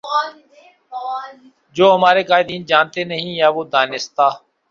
جو ہمارے قائدین جانتے نہیں یا وہ دانستہ